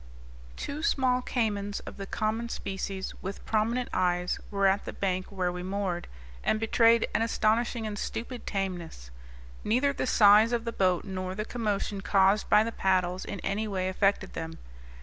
Two small caymans, of the common species, with prominent eyes, were at the bank where we moored, and betrayed an astonishing and stupid tameness. Neither the size of the boat nor the commotion caused by the paddles in any way affected them.